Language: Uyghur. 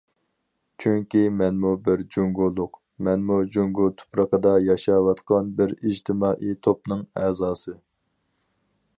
چۈنكى مەنمۇ بىر جۇڭگولۇق، مەنمۇ جۇڭگو تۇپرىقىدا ياشاۋاتقان بىر ئىجتىمائىي توپنىڭ ئەزاسى.